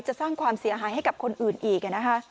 จะสร้างความเสียหายให้กับคนอื่นอีก